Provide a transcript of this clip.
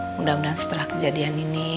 mudah mudahan setelah kejadian ini